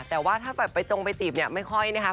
แต่ว่าถ้าแบบไปจงไปจีบเนี่ยไม่ค่อยนะคะ